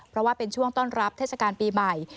เพราะว่าเป็นช่วงต้อนรับเทศกาลปีใหม่